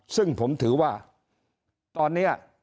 ซึ่งผมถือว่าตอนนี้